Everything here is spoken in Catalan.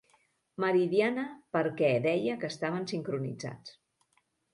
Meridiana perquè deia que estaven sincronitzats.